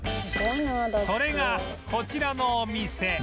それがこちらのお店